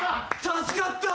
助かった。